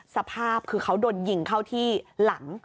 สภาพคือเขาโดนยิงเข้าที่หลัง